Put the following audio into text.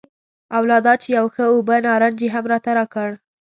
او لا دا چې یو ښه اوبه نارنج یې هم راته راکړ.